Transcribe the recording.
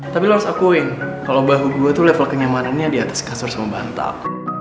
tapi lo harus akuin kalau bahu gue tuh level kenyamanannya di atas kasur sama bantal